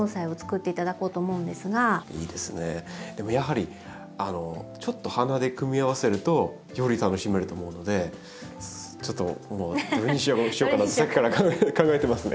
でもやはりちょっと花で組み合わせるとより楽しめると思うのでちょっともうどれにしようかなってさっきから考えてますね。